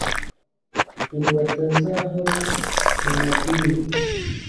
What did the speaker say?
ngo batazahora mu madini